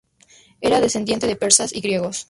Era descendiente de persas y griegos.